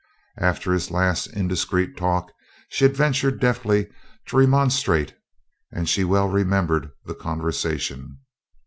After his last indiscreet talk she had ventured deftly to remonstrate, and she well remembered the conversation.